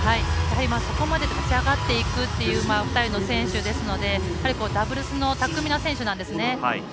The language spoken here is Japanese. やはりそこまで勝ち上がっていくという２人の選手ですのでダブルスの巧みな選手なんですね。